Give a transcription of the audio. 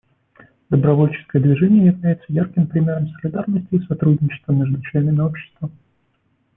Добровольческое движение является ярким примером солидарности и сотрудничества между членами общества.